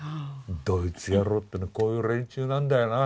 ドイツ野郎っていうのはこういう連中なんだよな。